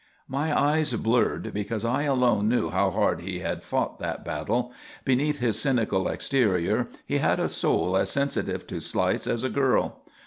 My eyes blurred because I alone knew how hard he had fought that battle. Beneath his cynical exterior he had a soul as sensitive to slights as a girl.